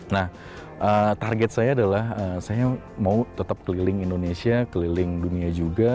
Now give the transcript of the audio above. nah target saya adalah saya mau tetap keliling indonesia keliling dunia juga